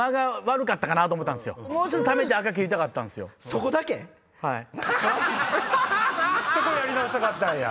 そこやり直したかったんや。